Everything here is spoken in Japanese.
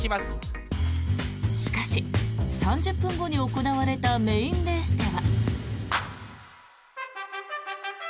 しかし３０分後に行われたメインレースでは。